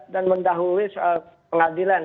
dan mendahului soal pengadilan